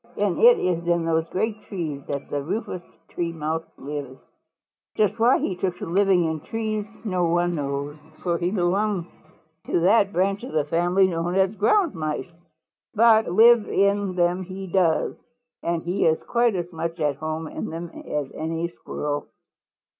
And it is in those great trees that the Rufous Tree Mouse lives. "Just why he took to living in trees no one knows, for he belongs to that branch of the family known as Ground Mice. But live in them he does, and he is quite as much at home in them as any Squirrel."